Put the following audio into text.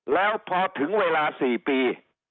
แล้วพอถึงเวลา๔ปี